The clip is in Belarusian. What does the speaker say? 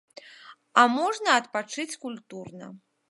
А можна адпачыць культурна.